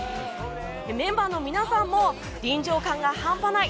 メンバーの皆さんも臨場感が半端ない